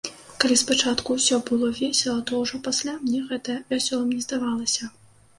Калі спачатку усё было весела, то ўжо пасля мне гэта вясёлым не здавалася.